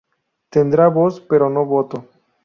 Tendrá voz, pero no voto.